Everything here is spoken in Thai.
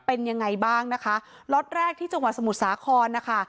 เป็นยังไงบ้างนะคะล็อตแรกที่จังหวัดสมุทรสาครนะคะ